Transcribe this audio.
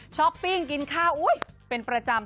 ปิ้งกินข้าวเป็นประจำ